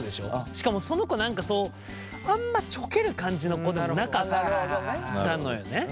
しかもその子何かそうあんまちょける感じの子でもなかったのよね。